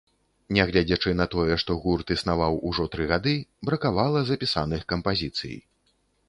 Нягледзячы на тое, што гурт існаваў ужо тры гады, бракавала запісаных кампазіцый.